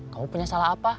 kamu punya salah apa